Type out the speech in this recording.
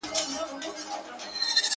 چي د ويښتانو په سرونو به يې مار وتړی,